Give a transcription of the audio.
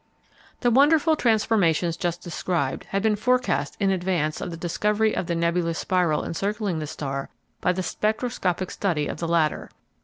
The wonderful transformations just described had been forecast in advance of the discovery of the nebulous spiral encircling the star by the spectroscopic study of the latter.